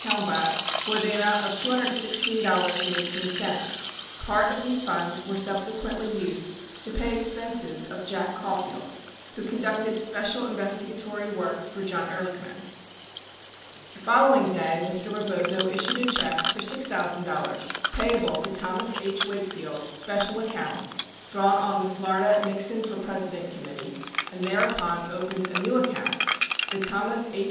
Kalmbach in the amount of $216.18. 18a Part of these funds were subsequently used to pay expenses of Jack Caulfield, who conducted special investigatory work for John Ehrlichman. The following day, Mr. Rebozo issued a check for $6,000 payable to Thomas H. Wakefield — special account, drawn on the Florida Nixon for President Committee, and thereupon opened a new account, the Thomas H.